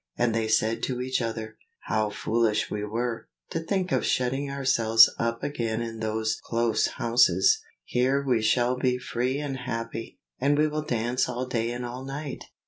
And they said to each other, "How foolish we were, to think of shutting ourselves up again in those close houses. Here we shall be free and happy, and we will dance all day and all night."